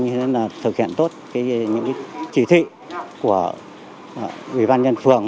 như là thực hiện tốt những chỉ thị của ủy ban nhân phường